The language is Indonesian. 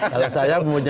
kalau saya punya